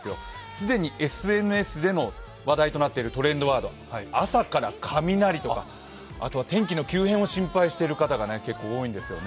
既にＳＮＳでの話題となっているトレンドワード、朝から雷とか天気の急変を心配している方が結構多いんですよね。